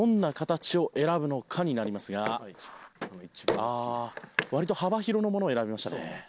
ああー割と幅広のものを選びましたね。